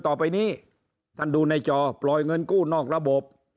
ต่อไปนี้ท่านดูในจอปล่อยเงินกู้นอกระบบ